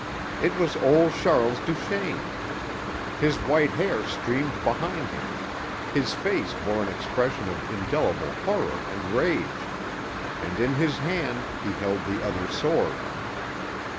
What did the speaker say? It was old Charles Duchaine. His white hair streamed behind him; his face bore an expression of indelible horror and rage, and in his hand he held the other sword.